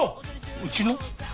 うちの？